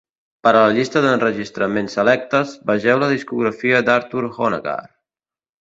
Per a una llista d'enregistraments selectes, vegeu la discografia d'Arthur Honegger.